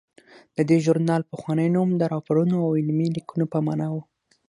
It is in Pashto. د دې ژورنال پخوانی نوم د راپورونو او علمي لیکنو په مانا و.